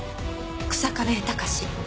日下部隆。